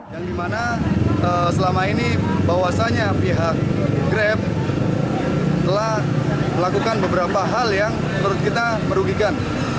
yang dimana selama ini bahwasannya pihak grab telah melakukan beberapa hal yang menurut kita merugikan